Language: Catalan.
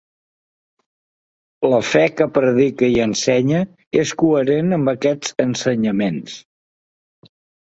La fe que predica i ensenya és coherent amb aquests ensenyaments.